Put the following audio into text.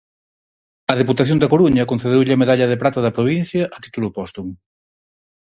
A Deputación da Coruña concedeulle a Medalla de Prata da provincia a título póstumo.